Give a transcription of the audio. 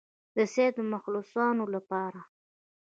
د سید مخلصانو لپاره.